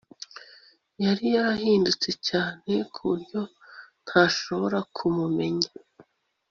yari yarahindutse cyane kuburyo ntashobora kumumenya